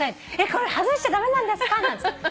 これ外しちゃ駄目なんですか？